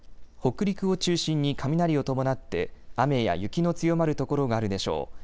北陸を中心に雷を伴って雨や雪の強まる所があるでしょう。